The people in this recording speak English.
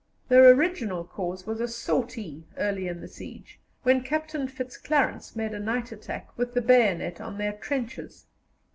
Their original cause was a sortie early in the siege, when Captain Fitzclarence made a night attack with the bayonet on their trenches.